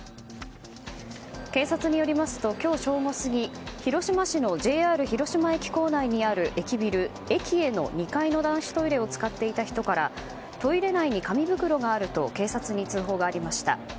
警察によりますと今日正午過ぎ広島市のＪＲ広島駅構内にある駅ビルｅｋｉｅの２階の男子トイレを使っていた人からトイレ内に紙袋があると警察に通報がありました。